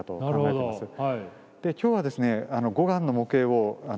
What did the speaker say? で今日はですね。